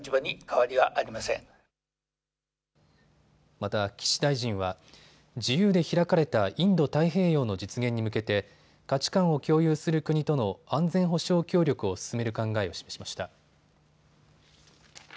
また、岸大臣は自由で開かれたインド太平洋の実現に向けて価値観を共有する国との安全保障協力を進める考えを示しました。